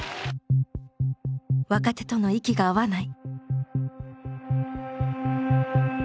若手との息が合わない。